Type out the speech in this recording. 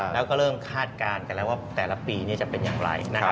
แล้วก็เริ่มคาดการณ์กันแล้วว่าแต่ละปีจะเป็นอย่างไร